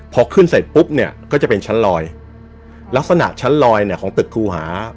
พอขึ้นเสร็จปุ๊บเนี่ยก็จะเป็นชั้นลอยลักษณะชั้นลอยเนี่ยของตึกครูหา